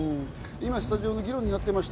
スタジオで議論になっていました